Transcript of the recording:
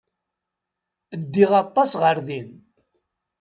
Ddiɣ aṭas ɣer din.